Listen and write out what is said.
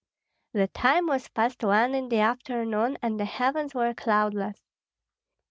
The time was past one in the afternoon, and the heavens were cloudless.